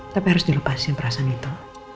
tapi harus dilepasin perasaan itu